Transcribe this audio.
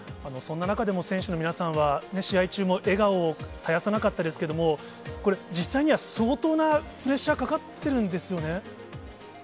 そんな中でも、選手の皆さんは、試合中も笑顔を絶やさなかったですけれども、これ、実際には、相当なプレッシャーかかってるんですよね？